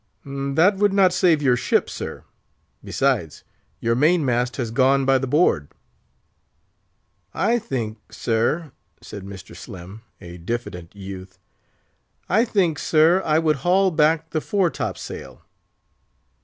"That would not save your ship, sir; besides, your main mast has gone by the board." "I think, sir," said Mr. Slim, a diffident youth, "I think, sir, I would haul back the fore top sail."